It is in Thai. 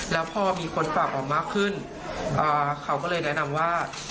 แล้วพอมีคนฝากออกมากขึ้นเขาก็เลยแนะนำว่า